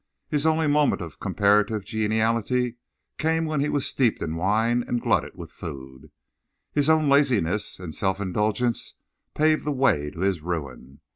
His only moments of comparative geniality came when he was steeped in wine and glutted with food. His own laziness and self indulgence paved the way to his ruin.